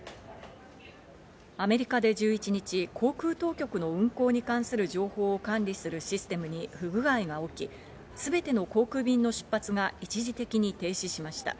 アメリカで１１日、航空当局の運航に関する情報を管理するシステムに不具合が起き、すべての航空便の出発が一時的に停止しました。